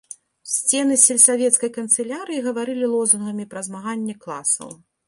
Сцены сельсавецкай канцылярыі гаварылі лозунгамі пра змаганне класаў.